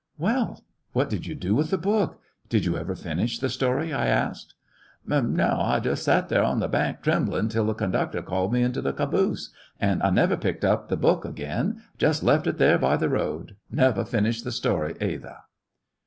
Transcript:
"Well, what did you do with the book! Did you ever finish the story t" I asked. "No ; I just set there on the bank tremblin' till the conductor called me into the caboose. An' I never picked up the book again 5 just left it there by the road. Never finished the story, either."